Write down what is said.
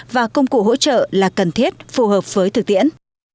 và công cụ hỗ trợ là cần thiết phù hợp với thực tiễn